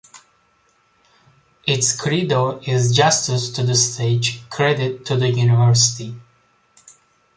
Its credo is Justice to the stage; credit to the University.